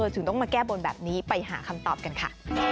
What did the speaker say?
ถึงต้องมาแก้บนแบบนี้ไปหาคำตอบกันค่ะ